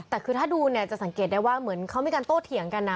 แต่คือถ้าดูเนี่ยจะสังเกตได้ว่าเหมือนเขามีการโต้เถียงกันนะ